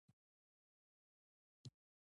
افغانستان د بېلابېلو ډولونو له زراعت څخه ډک دی.